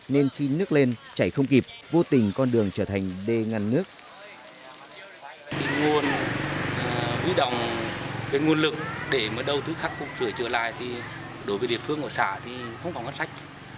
nên khi nước lên chảy không kịp vô tình con đường trở thành đê ngăn nước